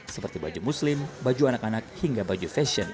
seperti baju muslim baju anak anak hingga baju fashion